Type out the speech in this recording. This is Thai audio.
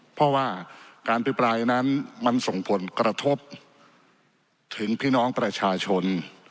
เพราะว่าการอภิปรายนั้นมันส่งผลกระทบถึงพี่น้องประชาชน